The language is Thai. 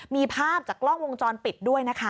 มีภาพจากกล้องวงจรปิดด้วยนะคะ